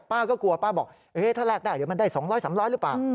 ป้าก็กลัวป้าบอกถ้าแลกได้เดี๋ยวมันได้๒๐๐๓๐๐หรือเปล่า